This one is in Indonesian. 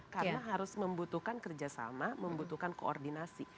karena harus membutuhkan kerja sama membutuhkan koordinasi